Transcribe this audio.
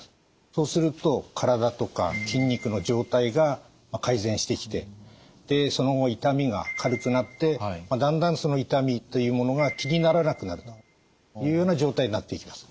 そうすると体とか筋肉の状態が改善してきてでその後痛みが軽くなってだんだんその痛みというものが気にならなくなるというような状態になっていきます。